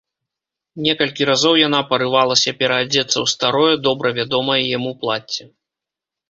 Некалькі разоў яна парывалася пераадзецца ў старое, добра вядомае яму плацце.